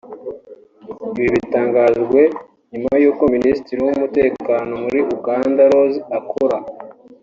Ibi bitangajwe nyuma y’uko Minisitiri w’Umutekano muri Uganda Rose Akol